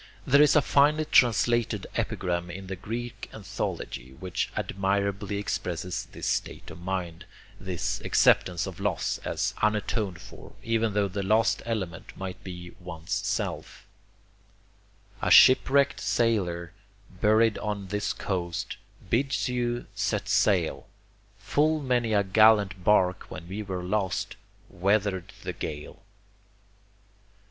There is a finely translated epigram in the greek anthology which admirably expresses this state of mind, this acceptance of loss as unatoned for, even tho the lost element might be one's self: "A shipwrecked sailor, buried on this coast, Bids you set sail. Full many a gallant bark, when we were lost, Weathered the gale."